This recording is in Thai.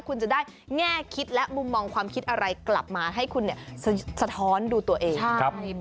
คุณจะได้แง่คิดและมุมมองความคิดอะไรกลับมาให้คุณสะท้อนดูตัวเอง